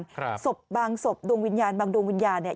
ครับศพบางศพดวงวิญญาณบางดวงวิญญาณเนี่ย